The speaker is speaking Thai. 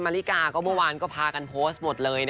ริกาก็เมื่อวานก็พากันโพสต์หมดเลย